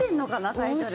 タイトル。